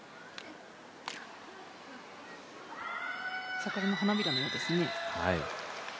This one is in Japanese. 桜の花びらのようですね。